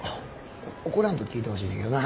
怒らんと聞いてほしいねんけどな。